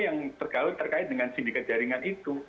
yang terkait dengan sindikat jaringan itu